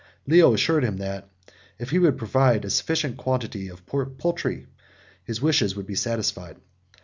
Leo assured him, that if he would provide a sufficient quantity of poultry, his wishes should be satisfied.